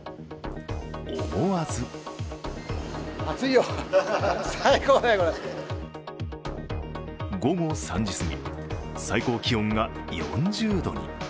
思わず午後３時すぎ、最高気温が４０度に。